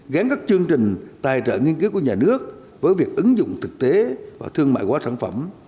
gắn các chương trình tài trợ nghiên cứu của nhà nước với việc ứng dụng thực tế và thương mại quá sản phẩm